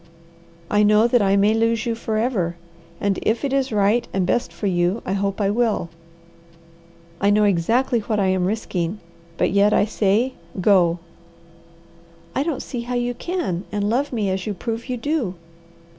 I know that I may lose you forever, and if it is right and best for you, I hope I will. I know exactly what I am risking, but I yet say, go." "I don't see how you can, and love me as you prove you do."